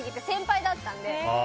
先輩だったんで。